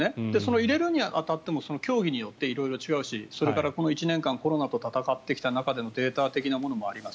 入れるに当たっても競技によって色々違ってその中でこの１年間コロナと闘ってきた中でのデータというのもあります。